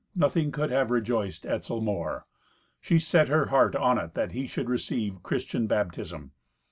Nothing could have rejoiced Etzel more. She set her heart on it that he should receive Christian baptism.